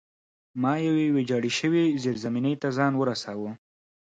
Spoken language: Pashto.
ما یوې ویجاړې شوې زیرزمینۍ ته ځان ورساوه